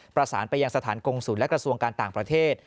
ประสานไปยังสถานกงศูนย์และกระทรวงการต่างประเทศ